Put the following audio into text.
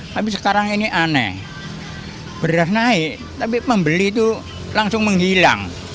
tapi sekarang ini aneh beras naik tapi pembeli itu langsung menghilang